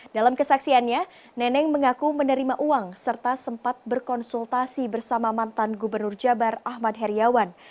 dalam kesaksiannya neneng mengaku menerima uang serta sempat berkonsultasi bersama mantan gubernur jabar ahmad heriawan